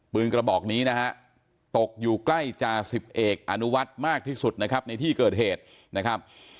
กระบอกนี้นะฮะตกอยู่ใกล้จ่าสิบเอกอนุวัฒน์มากที่สุดนะครับในที่เกิดเหตุนะครับ